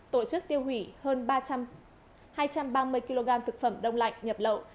tổ chức tiêu hủy hơn ba trăm ba mươi kg thực phẩm đông lạnh nhập lậu